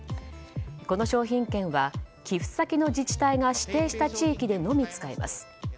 この商品券は寄付先の自治体が指定した地域でのみ使えます。